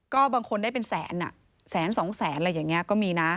ก็บางคนได้เป็นแสนแสนสองแสนอะไรอย่างนี้ก็มีนะ